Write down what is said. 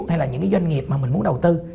hay là những cái doanh nghiệp mà mình muốn đầu tư